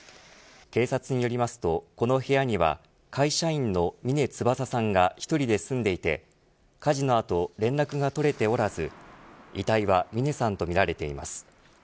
警察によりますとこの部屋には会社員の峰翼さんが１人で住んでいて火事の後、連絡が取れておらず遺体は峰さんとみられています。